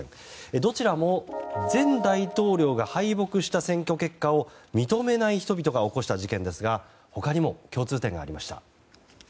どちらも前大統領が敗北した選挙結果を認めない人々が起こした事件ですが他にも共通点がありました。